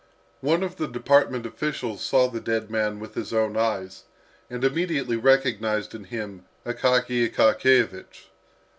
One of the department officials saw the dead man with his own eyes, and immediately recognised in him Akaky Akakiyevich.